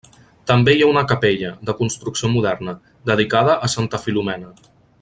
També hi ha una capella, de construcció moderna, dedicada a Santa Filomena.